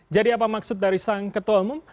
jadi apa maksud dari sang ketua umum